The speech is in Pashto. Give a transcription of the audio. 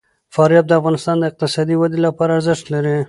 فاریاب د افغانستان د اقتصادي ودې لپاره ارزښت لري.